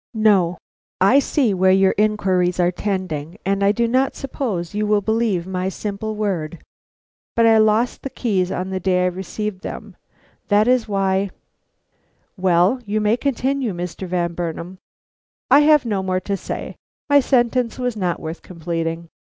"No; I see where your inquiries are tending, and I do not suppose you will believe my simple word; but I lost the keys on the day I received them; that is why " "Well, you may continue, Mr. Van Burnam." "I have no more to say; my sentence was not worth completing."